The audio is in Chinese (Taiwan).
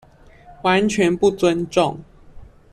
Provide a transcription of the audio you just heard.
完全不尊重